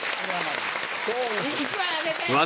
１枚あげて！